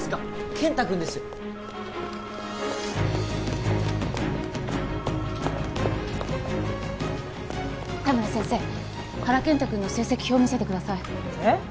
健太君ですよ田村先生原健太君の成績表見せてくださいえっ？